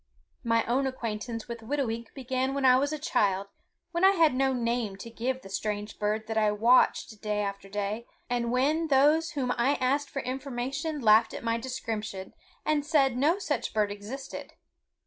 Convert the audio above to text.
My own acquaintance with Whitooweek began when I was a child, when I had no name to give the strange bird that I watched day after day, and when those whom I asked for information laughed at my description and said no such bird existed.